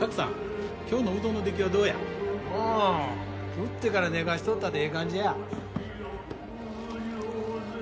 打ってから寝かしとったでええ感じや。